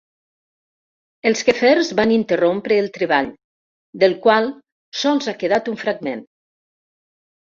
Els quefers van interrompre el treball, del qual sols ha quedat un fragment.